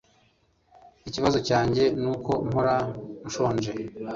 Ikibazo cyanjye nuko mpora nshonje